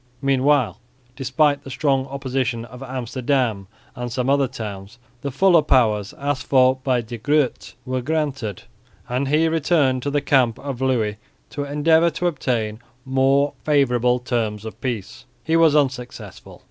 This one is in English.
Meanwhile, despite the strong opposition of Amsterdam and some other towns, the fuller powers asked for by De Groot were granted, and he returned to the camp of Louis to endeavour to obtain more favourable terms of peace. He was unsuccessful.